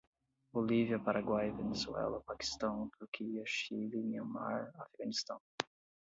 Bolívia, Paraguai, Venezuela, Paquistão, Turquia, Chile, Myanmar, Afeganistão